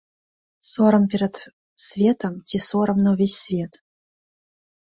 Сорам перад светам ці сорам на ўвесь свет!